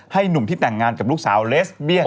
หนุ่มที่แต่งงานกับลูกสาวเลสเบี้ย